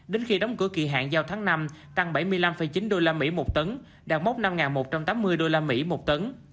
đến khi đóng cửa kỳ hạn giao tháng năm tăng bảy mươi năm chín usd một tấn đạt mốc năm một trăm tám mươi usd một tấn